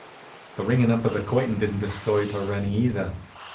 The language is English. The ringin' up of the curtain didn't disturb her any, either.